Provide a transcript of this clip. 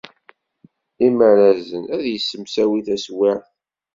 Imarazen, ad yessemsawi taswiɛt.